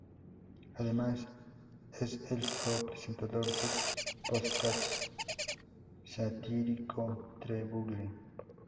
Además es el co-presentador del podcast satírico "The Bugle".